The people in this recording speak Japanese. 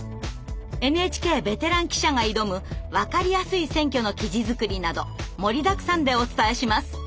ＮＨＫベテラン記者が挑む分かりやすい選挙の記事作りなど盛りだくさんでお伝えします！